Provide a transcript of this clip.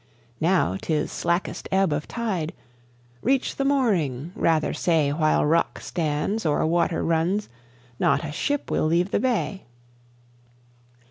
Now 'tis slackest ebb of tide. Reach the mooring! Rather say, While rock stands or water runs, Not a ship will leave the bay!"